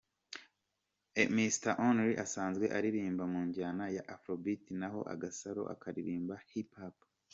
Mr Only asanzwe aririmba mu njyana ya Afrobeat naho Agasaro akaririmba Hip Hop.